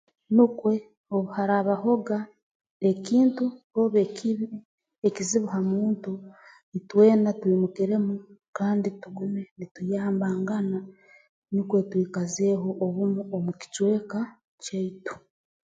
Nukwe obu haraabahoga ekintu oba ekibi ekizibu ha muntu itwena twimukiremu kandi tugume nituyamba ngana nukwo twikazeeho obumu omu kicweka kyaitu